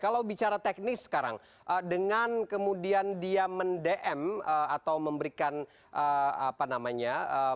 kalau bicara teknis sekarang dengan kemudian dia mendm atau memberikan apa namanya